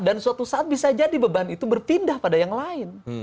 dan suatu saat bisa jadi beban itu berpindah pada yang lain